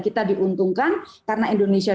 kita diuntungkan karena indonesia